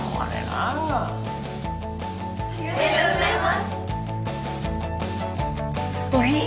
ありがとうございます。